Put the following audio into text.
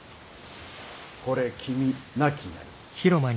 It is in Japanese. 是れ君なきなり。